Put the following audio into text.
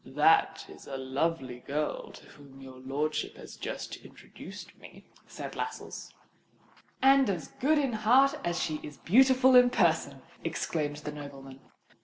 "That is a lovely girl to whom your lordship has just introduced me," said Lascelles. "And as good in heart as she is beautiful in person," exclaimed the nobleman.